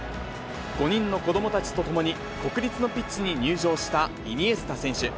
５人の子どもたちと共に、国立のピッチに入場したイニエスタ選手。